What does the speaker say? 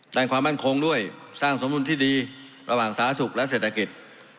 แต่ความมั่นคงด้วยสร้างสมบูรณ์ที่ดีระหว่างสาธุกษ์และเศรษฐกิจ